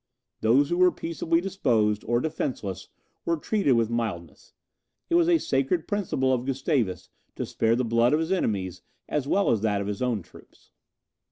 Those who were peaceably disposed, or defenceless, were treated with mildness. It was a sacred principle of Gustavus to spare the blood of his enemies, as well as that of his own troops.